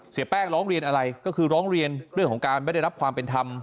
เสียแป้งร้องเรียนอะไรก็คือร้องเรียนเรื่องของการไม่ได้รับความเป็นธรรม